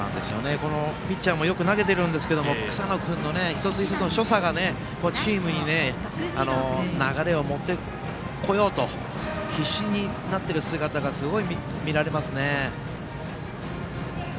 ピッチャーもよく投げているんですけど草野君の一つ一つの所作がチームに流れを持ってこようと必死になっている姿がすごい見られますね。